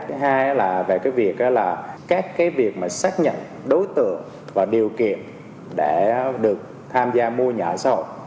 cái hai là về cái việc là các cái việc mà xác nhận đối tượng và điều kiện để được tham gia mua nhà sổ